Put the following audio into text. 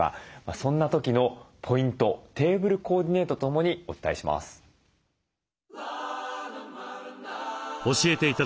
そんな時のポイントテーブルコーディネートとともにお伝えします。